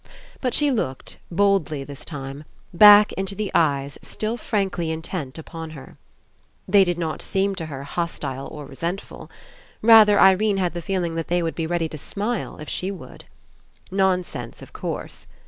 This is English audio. But she looked, boldly this time, back into the eyes still frankly intent upon her. They did not seem to her hostile or resentful. Rather, Irene had the feeling that they were ready to smile if she would. Nonsense, of course.